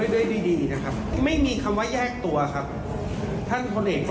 ดังนั้นไม่มีการแย่งชิงเราจะเสร็จกันไปด้วยด้วยดีนะครับ